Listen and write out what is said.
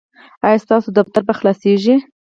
ایا ستاسو دفتر به خلاصیږي؟